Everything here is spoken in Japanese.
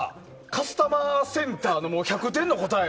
カスタマーセンターの１００点の答え。